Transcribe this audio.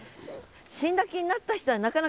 死んだ気になった人はなかなか死なない。